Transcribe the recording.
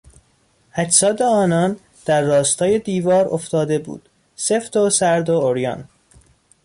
اجساد آنان در راستای دیوار افتاده بود، سفت و سرد و عریان.